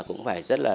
cũng phải rất là